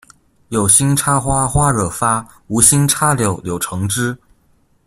有心插花花惹發，無心插柳柳橙汁